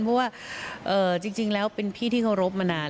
เพราะว่าจริงแล้วเป็นพี่ที่เคารพมานาน